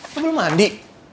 lo belum mandi